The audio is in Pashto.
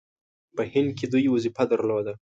په هند کې دوی وظیفه درلوده.